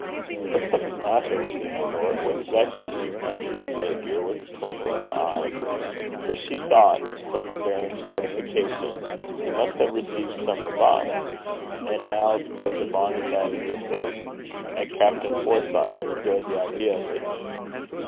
'What's the maitter wi' ye, my lord? What's vexed ye?' asked Miss Napier, with a twinkle in her eyes, for she thought, from the baron's mortification, he must have received some rebuff, and now that the bonnie leddy was safe at Captain Forsyth's, enjoyed the idea of it.